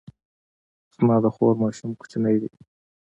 زما د خور ماشوم کوچنی دی